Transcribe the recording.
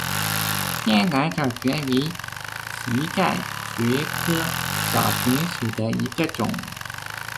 滇南角蕨为蹄盖蕨科角蕨属下的一个种。